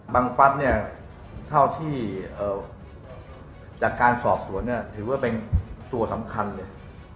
ฟัฐเนี่ยเท่าที่จากการสอบสวนเนี่ยถือว่าเป็นตัวสำคัญเลย